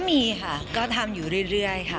มีค่ะก็ทำอยู่เรื่อยค่ะ